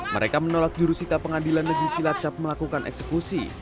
mereka menolak jurusita pengadilan negeri cilacap melakukan eksekusi